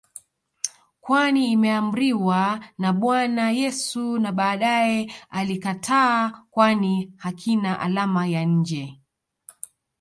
kwani imeamriwa na Bwana Yesu na baadae alikataa kwani hakina alama ya nje